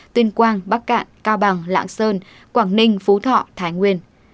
tuyên quang bắc cạn cao bằng lạng sơn quảng ninh phú thọ thái nguyên